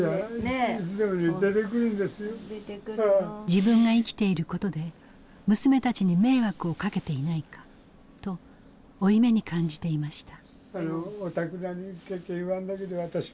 自分が生きていることで娘たちに迷惑をかけていないかと負い目に感じていました。